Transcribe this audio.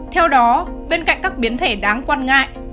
theo đó bên cạnh các biến thể đáng quan ngại